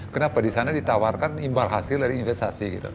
kenapa di sana ditawarkan imbal hasil dari investasi gitu